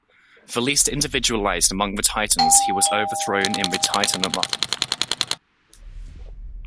The least individualized among the Titans he was overthrown in the Titanomachy.